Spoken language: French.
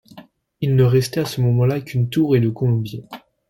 Il ne restait à ce moment-là qu'une tour et le colombier.